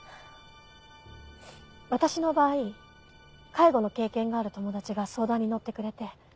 私の場合介護の経験がある友達が相談に乗ってくれて。